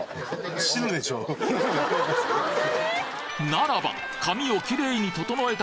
ならば！